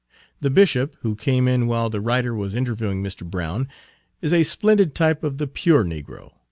The bishop, who came in while the writer was interviewing Mr. Brown, is a splendid type of the pure negro.